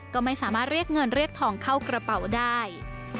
ก็ไม่สามารถเรียกเงินเรียกทองเข้ากระเป๋าได้